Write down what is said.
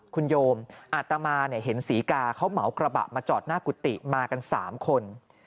คุณโยมอาตมาเห็นศรีกาเขาเหมากระบะมาจอดหน้ากุฏิมากัน๓คน